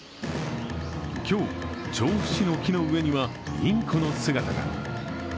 今日、調布市の木の上にはインコの姿が。